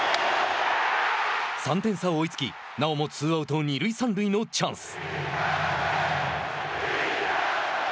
３点差を追いつきなおもツーアウト、二塁三塁のチャンス。